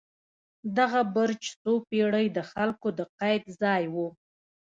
دغه برج څو پېړۍ د خلکو د قید ځای و.